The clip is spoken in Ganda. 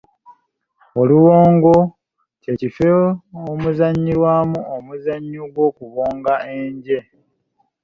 Olubongo ky’ekifo omuzannyirwa omuzannyo gw'okubonga enje.